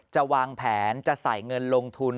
จะวางแผนจะใส่เงินลงทุน